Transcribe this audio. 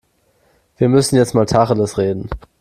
Wir müssen jetzt mal Tacheles reden.